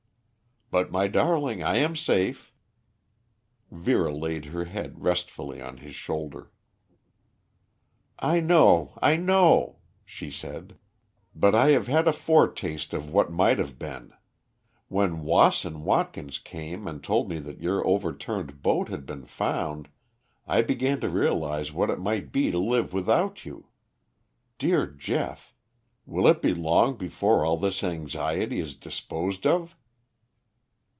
"But my darling, I am safe." Vera laid her head restfully on his shoulder. "I know, I know!" she said. "But I have had a foretaste of what might have been. When Wass and Watkins came and told me that your overturned boat had been found, I began to realize what it might be to live without you. Dear Geoff, will it be long before all this anxiety is disposed of?"